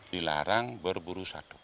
dilarang berburu satwa